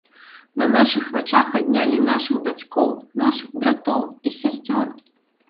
На нашых вачах аднялі нашых бацькоў, нашых братоў і сясцёр.